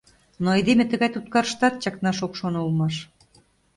Но айдеме тыгай туткарыштат чакнаш ок шоно улмаш.